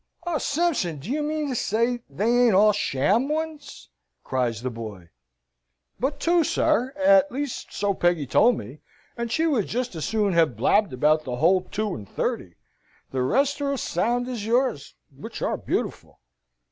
"Oh, Sampson, do you mean to say they ain't all sham ones?" cries the boy. "But two, sir, at least so Peggy told me, and she would just as soon have blabbed about the whole two and thirty the rest are as sound as yours, which are beautiful."